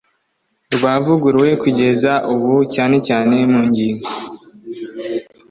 Ryavuguruwe kugeza ubu cyane cyane mu ngingo